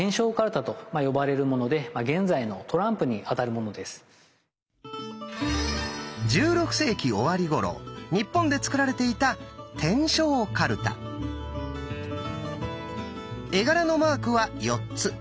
こちら１６世紀終わりごろ日本で作られていた絵柄のマークは４つ。